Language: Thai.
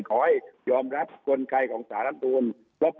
ขอให้ยอมรับคนไขของสรรควม